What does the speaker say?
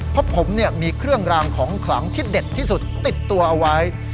เพราะผมมีเครื่องรางของขลังที่เด็ดที่สุดติดตัวเอาไว้